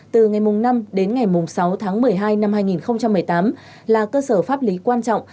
từ ngày năm đến ngày sáu tháng một mươi hai năm hai nghìn một mươi tám là cơ sở pháp lý quan trọng